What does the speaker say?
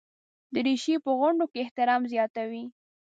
دریشي په غونډو کې احترام زیاتوي.